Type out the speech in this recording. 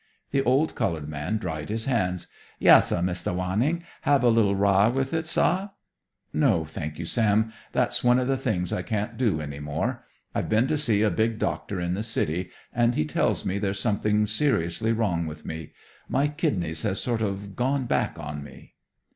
The old colored man dried his hands. "Yessah, Mistah Wanning. Have a little rye with it, sah?" "No, thank you, Sam. That's one of the things I can't do any more. I've been to see a big doctor in the city, and he tells me there's something seriously wrong with me. My kidneys have sort of gone back on me."